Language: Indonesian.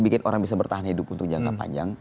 bikin orang bisa bertahan hidup untuk jangka panjang